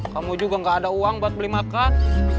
kamu juga nggak ada uang buat beli makan